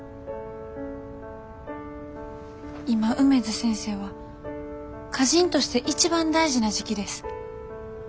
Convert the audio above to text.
今梅津先生は歌人として一番大事な時期です。